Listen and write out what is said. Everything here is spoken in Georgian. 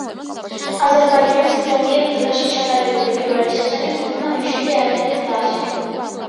აზერბაიჯანის პრემიერ ლიგაში ჩატარებული პირველი სეზონი გუნდმა მეშვიდე ადგილით დაასრულა.